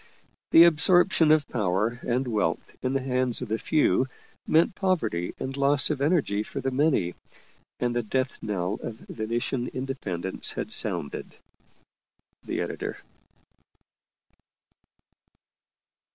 The absorption of power and wealth in the hands of the few meant poverty and loss of energy for the many, and the death knell of Venetian in dependence had sounded. EDITOR.